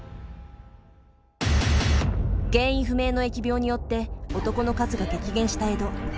原因不明の疫病によって男の数が激減した江戸。